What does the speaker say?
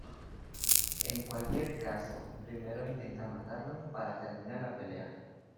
En cualquier caso, Primero intenta matarlo para terminar la pelea.